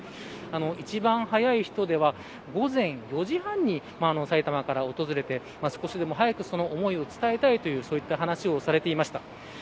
一番早い人では午前５時半に埼玉から訪れて少しでも早く、その思いを伝えたいというそういった話をされていました。